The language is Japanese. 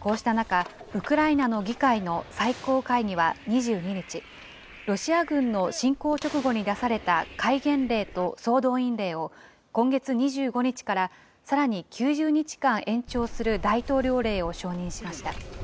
こうした中、ウクライナの議会の最高会議は２２日、ロシア軍の侵攻直後に出された戒厳令と総動員令を、今月２５日からさらに９０日間延長する大統領令を承認しました。